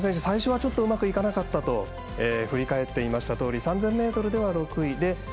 最初はうまくいかなかったと振り返っていましたとおり３０００ｍでは６位。